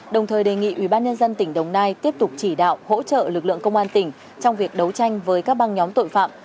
đồng thời đề nghị ubnd tỉnh đồng nai tiếp tục chỉ đạo hỗ trợ lực lượng công an tỉnh trong việc đấu tranh với các băng nhóm tội phạm